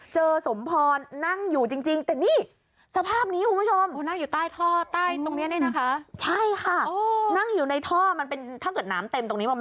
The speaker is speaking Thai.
เจอสมพรนั่งอยู่จริงแต่นี่